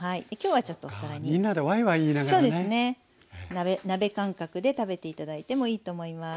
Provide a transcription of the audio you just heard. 鍋感覚で食べて頂いてもいいと思います。